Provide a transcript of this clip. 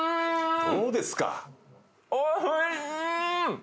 どうですか？